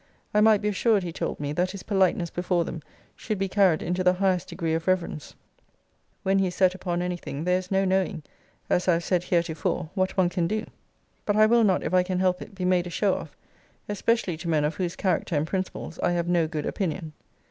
I might be assured, he told me, that his politeness before them should be carried into the highest degree of reverence. When he is set upon any thing, there is no knowing, as I have said heretofore, what one can do.* But I will not, if I can help it, be made a show of; especially to men of whose character and principles I have no good opinion.